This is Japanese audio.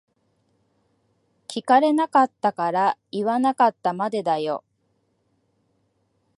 聞かれなかったから言わなかったまでだよ。